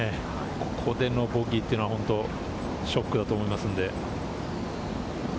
ここでのボギーというのはショックだと思いますので。